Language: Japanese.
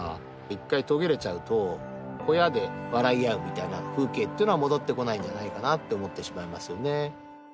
一回途切れちゃうと小屋で笑い合うみたいな風景っていうのは戻ってこないんじゃないかなって思ってしまいますよね。